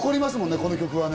この曲はね。